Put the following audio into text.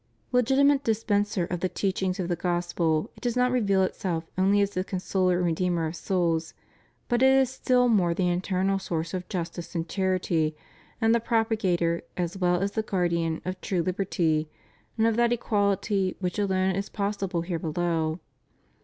Legitimate dispen ser of the teachings of the Gospel it does not reveal itself only as the consoler and redeemer of souls, but it is still more the internal source of justice and charity, and the propagator as well as the guardian of true liberty, and of that equality which alone is possible here below.